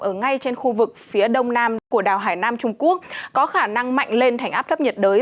ở ngay trên khu vực phía đông nam của đảo hải nam trung quốc có khả năng mạnh lên thành áp thấp nhiệt đới